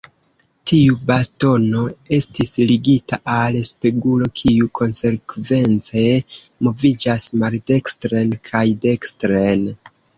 Tiu bastono estis ligita al spegulo, kiu konsekvence moviĝas maldekstren kaj dekstren.